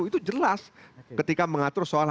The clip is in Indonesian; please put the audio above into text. itu jelas ketika mengatur soal